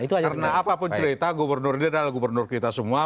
karena apapun cerita gubernur dia adalah gubernur kita semua